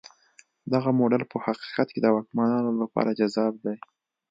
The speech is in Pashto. دغه موډل په حقیقت کې د واکمنانو لپاره جذاب دی.